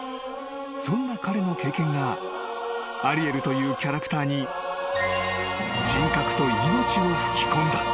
［そんな彼の経験がアリエルというキャラクターに人格と命を吹き込んだ］